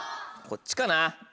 こっちかな。